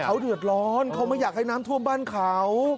เขาเดือดร้อนเขาไม่อยากให้น้ำท่วมบ้านเขา